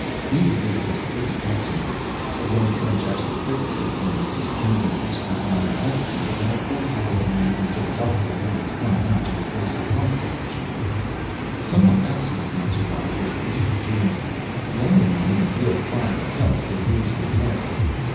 Neither did his three passengers, a young French astrophysicist, an East Indian expert on magnetic fields, and a forty year old man from Philadelphia who was coming out to replace a pump technician. Someone else who did not survive was Reed Kieran, the only man in Wheel Five itself to lose his life.